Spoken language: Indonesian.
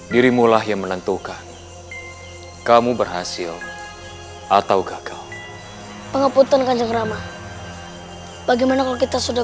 dirimulah yang menentukan kamu berhasil atau gagal pengeputan kanjengrama bagaimana kalau kita sudah